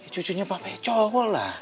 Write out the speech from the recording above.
cucunya papa ya cowok lah